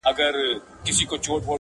د جهاني زړګیه کله به ورځو ورپسي-